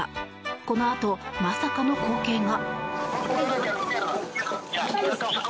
このあと、まさかの光景が。